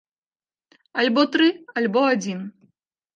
Альбо тры, альбо адзін.